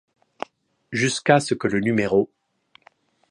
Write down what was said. Jusqu'à ce que le no.